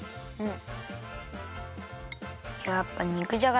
うん！